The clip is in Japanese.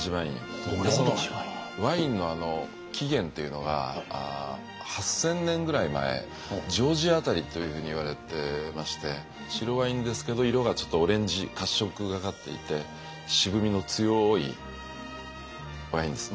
ワインの起源っていうのが８，０００年ぐらい前ジョージア辺りというふうにいわれてまして白ワインですけど色がちょっとオレンジ褐色がかっていて渋味の強いワインです。